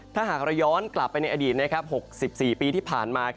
ถ้าหากเราย้อนกลับไปในอดีต๖๔ปีที่ผ่านมา